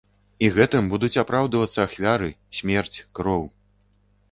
І гэтым будуць апраўдвацца ахвяры, смерць, кроў!